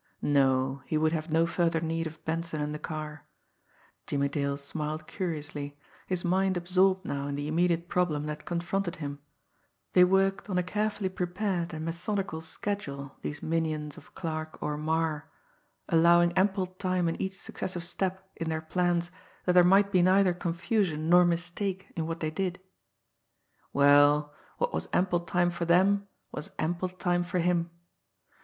No, he would have no further need of Benson and the car Jimmie Dale smiled curiously, his mind absorbed now in the immediate problem that confronted him they worked on a carefully prepared and methodical schedule, these minions of Clarke or Marre, allowing ample time in each successive step in their plans that there might be neither confusion nor mistake in what they did. Well, what was ample time for them, was ample time for him!